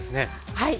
はい。